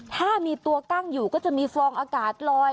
ถ้ามีตัวกั้งอยู่ก็จะมีฟองอากาศลอย